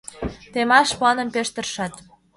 Темаш планым пеш тыршат.